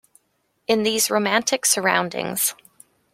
In these romantic surroundings.